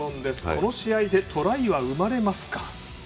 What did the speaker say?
この試合でトライは生まれますか？